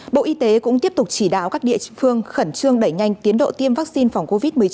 bộ y tế cũng tiếp tục chỉ đạo các địa phương khẩn trương đẩy nhanh tiến độ tiêm vaccine phòng covid một mươi chín